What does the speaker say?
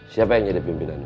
siapa yang jadi pimpinannya